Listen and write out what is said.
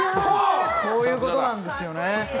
こういうことなんですよね。